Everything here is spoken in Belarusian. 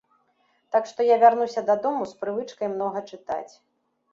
Так што я вярнуся дадому з прывычкай многа чытаць.